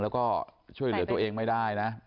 แล้วก็ช่วยเหลือตัวเองไม่ได้นะ